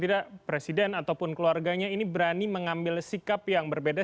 tidak presiden ataupun keluarganya ini berani mengambil sikap yang berbeda